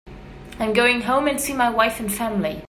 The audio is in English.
I'm going home and see my wife and family.